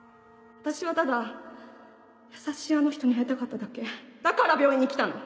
私はただ優しいあの人に会いたかだから病院に来たの！